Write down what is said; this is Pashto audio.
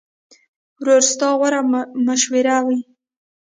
ورور ستا غوره مشوره وي.